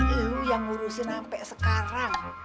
lu yang ngurusin sampai sekarang